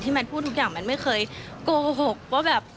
มันพูดทุกอย่างมันไม่เคยโกหกว่าแบบ